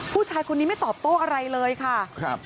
ผู้ชายคนนี้ไม่ตอบโต้อะไรเลยค่ะครับ